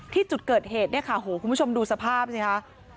ที่จุดเกิดเหตุเนี่ยค่ะโหคุณผู้ชมดูสภาพสิคะ